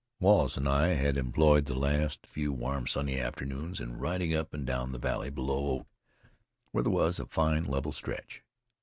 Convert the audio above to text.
Wallace and I had employed the last few warm sunny afternoons in riding up and down the valley, below Oak, where there was a fine, level stretch.